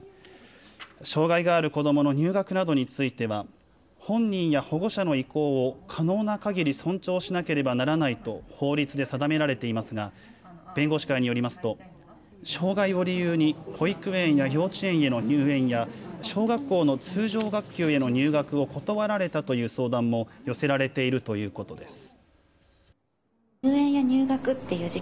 障害がある子どもの入学などについては本人や保護者の意向を可能なかぎり尊重しなければならないと法律で定められていますが弁護士会によりますと障害を理由に保育園や幼稚園への入園や小学校の通常学級への入学を断られたという相談も寄せられているということです。